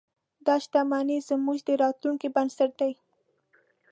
دا شتمنۍ زموږ د راتلونکي بنسټ دی.